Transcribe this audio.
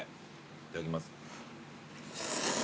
いただきます。